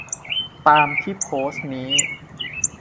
ตามที่โพสต์นี้